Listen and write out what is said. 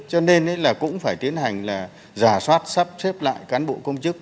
cho nên là cũng phải tiến hành là giả soát sắp xếp lại cán bộ công chức